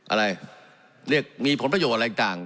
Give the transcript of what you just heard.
อะไรมีผลผลโปรโยคอะไรก็กัง